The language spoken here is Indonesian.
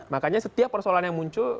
makanya setiap persoalan yang muncul